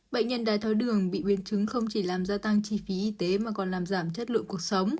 bệnh nhân đai tháo đường bị biến chứng không chỉ làm gia tăng chi phí y tế mà còn làm giảm chất lượng cuộc sống